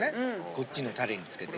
こっちのタレにつけて。